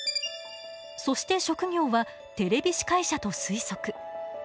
そして職業はテレビ司会者と推測。